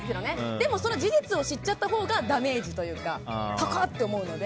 でも、その事実を知っちゃったほうがダメージというか高！って思うので。